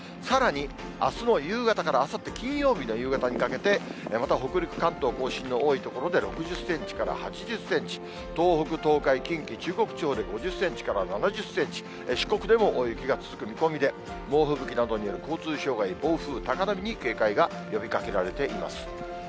さらにあすの夕方からあさって金曜日の夕方にかけて、また北陸、関東甲信の多い所で６０センチから８０センチ、東北、東海、近畿、中国地方で５０センチから７０センチ、四国でも大雪が続く見込みで、猛吹雪などによる交通障害、暴風、高波に警戒が呼びかけられています。